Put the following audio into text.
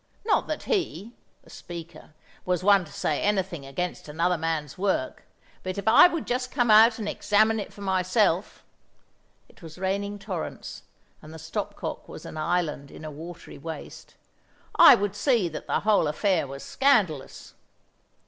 Not that he (the speaker) was one to say anything against another man's work, but if I would just come out and examine it for myself (it was raining torrents, and the stop cock was an island in a watery waste) I would see that the whole affair was scandalous.